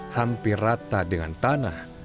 hampir rata dengan tanah